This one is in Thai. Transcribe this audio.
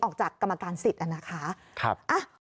ออกจากกรรมการสิทธิ์นะครับ